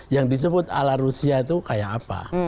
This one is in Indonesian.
yang disebut ala rusia itu kayak apa